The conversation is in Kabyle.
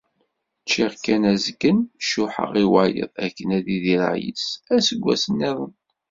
Čciɣ kan azgen, ccuḥḥeɣ i wayeḍ akken ad idireɣ yis-s aseggas-nniḍen.